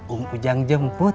um ujang jemput